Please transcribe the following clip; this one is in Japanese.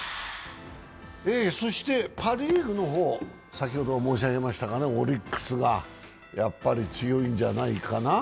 そしてパ・リーグの方、先ほど申し上げましたがオリックスがやっぱり強いんじゃないかな。